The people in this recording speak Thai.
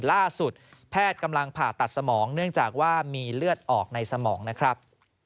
ล่าสุดแพทย์กำลังผ่าตัดสมองเนื่องจากว่ามีเลือดออกในสมองนะครับ